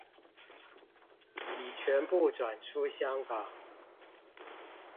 已全部轉出香港